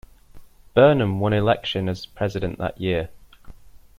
Burnham won election as president that year.